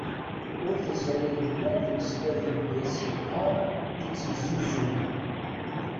Ur teẓri ma d imeslayen i as-yeqqar i tt-isuzunen.